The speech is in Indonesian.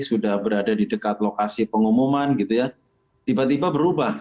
sudah berada di dekat lokasi pengumuman gitu ya tiba tiba berubah